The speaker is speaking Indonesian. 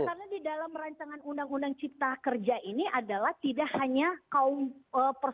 iya karena di dalam merancangan undang undang cipta kerja ini adalah tidak hanya persoalan kepentingan kaum buru yang harus dibuat